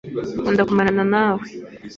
Nkunda kumarana na we.